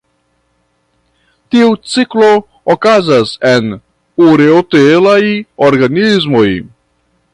Tiu ciklo okazas en ureotelaj organismoj.